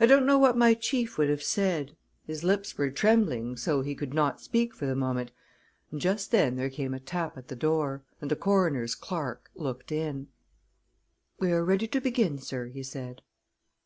I don't know what my chief would have said his lips were trembling so he could not speak for the moment and just then there came a tap at the door, and the coroner's clerk looked in. "We're ready to begin, sir," he said.